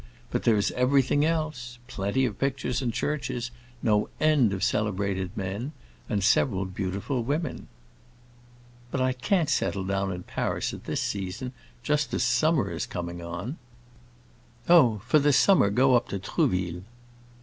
But there is everything else: plenty of pictures and churches, no end of celebrated men, and several beautiful women." "But I can't settle down in Paris at this season, just as summer is coming on." "Oh, for the summer go up to Trouville."